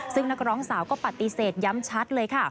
ซึ่งนักร้องสาวก็ปฏิเสธย้ำชัดเลยค่ะ